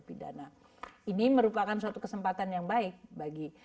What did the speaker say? ini merupakan suatu kesempatan yang baik bagi